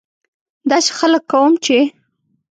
داسې خلک کوم چې.